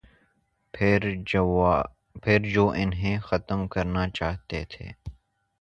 پھر جو انہیں ختم کرنا چاہتے تھے۔